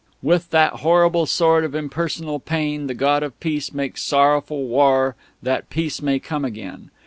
With that terrible sword of impersonal Pain the God of Peace makes sorrowful war that Peace may come again.